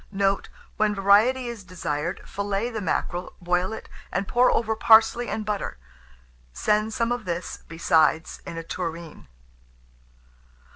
Note. When variety is desired, fillet the mackerel, boil it, and pour over parsley and butter; send some of this, besides, in a tureen.